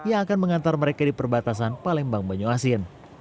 yang akan mengantar mereka di perbatasan palembang banyuasin